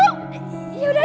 gak peduli saya sih